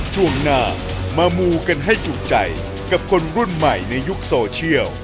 ช่วงหน้ามามูกันให้จุใจกับคนรุ่นใหม่ในยุคโซเชียล